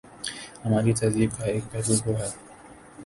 ہماری تہذیب کا ایک پہلو وہ ہے۔